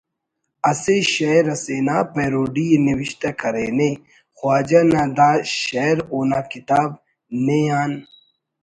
اسہ شئیر اسینا پیروڈی ءِ نوشتہ کرینے خواجہ نا دا شئیر اونا کتاب ''نے آن